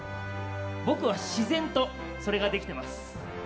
僕は自然とそれができてます。